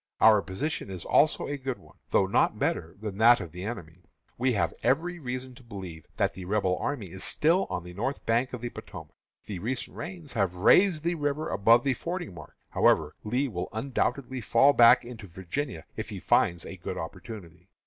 Our position is also a good one, though not better than that of the enemy. We have every reason to believe that the Rebel army is still on the north bank of the Potomac. The recent rains have raised the river above the fording mark. However, Lee will undoubtedly fall back into Virginia if he finds a good opportunity.